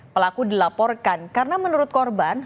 pelaku dilaporkan karena menurut korban